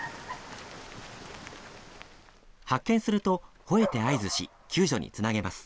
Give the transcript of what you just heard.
発見すると、ほえて合図し、救助につなげます。